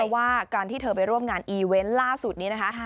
ว่าการที่เธอไปร่วมงานอีเวนต์ล่าสุดนี้นะคะ